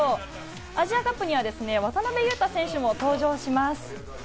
アジアカップには渡邊雄太選手も登場します。